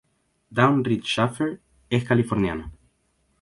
Dawn Read Schafer: Es californiana.